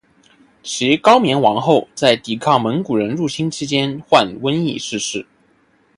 其高棉王后在抵抗蒙古人入侵期间患瘟疫逝世。